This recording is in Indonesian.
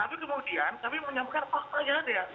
tapi kemudian kami menyampaikan fakta aja